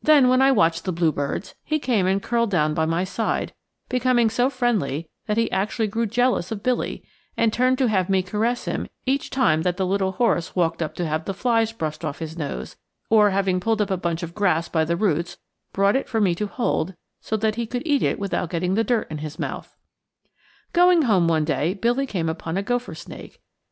Then when I watched the bluebirds, he came and curled down by my side, becoming so friendly that he actually grew jealous of Billy, and turned to have me caress him each time that the little horse walked up to have the flies brushed off his nose, or having pulled up a bunch of grass by the roots, brought it for me to hold so that he could eat it without getting the dirt in his mouth. Going home one day, Billy came upon a gopher snake.